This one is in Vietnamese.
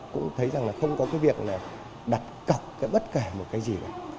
cũng thấy rằng là không có việc đặt cọc bất kể một cái gì